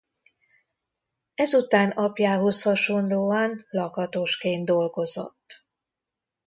Ezután apjához hasonlóan lakatosként dolgozott.